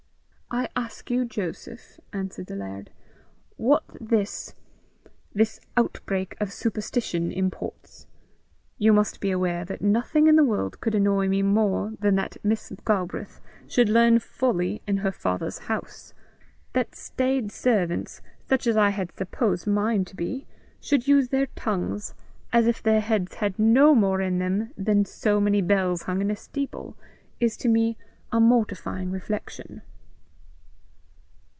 "I ask you, Joseph," answered the laird, "what this this outbreak of superstition imports? You must be aware that nothing in the world could annoy me more than that Miss Galbraith should learn folly in her father's house. That staid servants, such as I had supposed mine to be, should use their tongues as if their heads had no more in them than so many bells hung in a steeple, is to me a mortifying reflection."